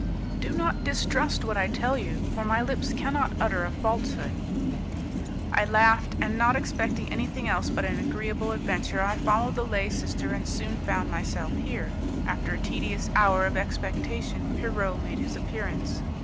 Do not distrust what I tell you, for my lips cannot utter a falsehood. I laughed, and not expecting anything else but an agreeable adventure, I followed the lay sister and soon found myself here. After a tedious hour of expectation, Pierrot made his appearance.